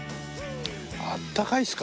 あったかいっすか？